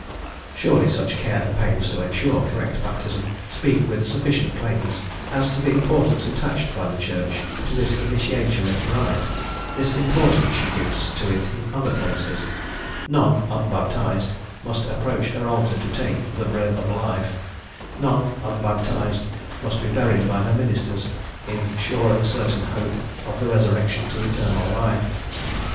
Surely such care and pains to ensure correct baptism speak with sufficient plainness as to the importance attached by the Church to this initiatory rite; this importance she gives to it in other places: none, unbaptized, must approach her altar to take the "bread of life:" none, unbaptized, must be buried by her ministers, "in sure and certain hope of the Resurrection to eternal life."